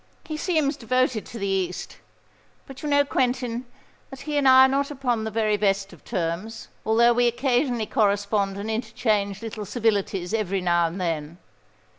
He seems devoted to the East. But you know, Quentin, that he and I are not upon the very best of terms, although we occasionally correspond and interchange little civilities every now and then.